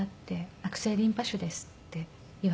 「悪性リンパ腫です」って言われて。